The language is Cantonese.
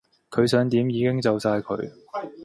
佢想點已經就哂佢